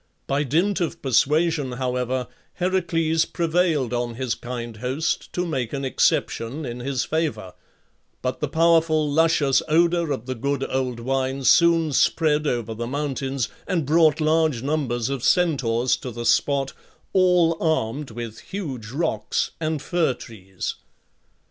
By dint of persuasion, however, Heracles prevailed on his kind host to make an exception in his favour; but the powerful, luscious odour of the good old wine soon spread over the mountains, and brought large numbers of Centaurs to the spot, all armed with huge rocks and fir trees.